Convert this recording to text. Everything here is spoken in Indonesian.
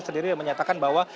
sendiri menyatakan bahwa